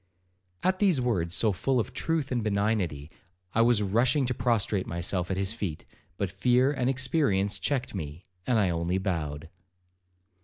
At these words, so full of truth and benignity, I was rushing to prostrate myself at his feet, but fear and experience checked me, and I only bowed.